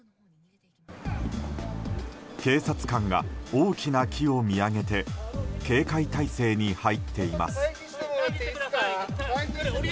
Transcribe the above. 警察官が大きな木を見上げて警戒態勢に入っています。